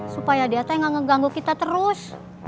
supaya datanya nggak ngeganggu kita terus